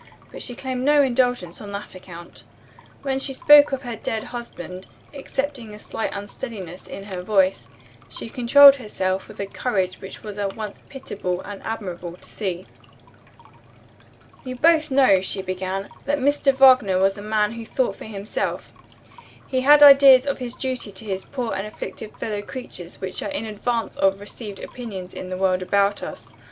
But she claimed no indulgence on that account. When she spoke of her dead husband excepting a slight unsteadiness in her voice she controlled herself with a courage which was at once pitiable and admirable to see. "You both know," she began, "that Mr. Wagner was a man who thought for himself. He had ideas of his duty to his poor and afflicted fellow creatures which are in advance of received opinions in the world about us.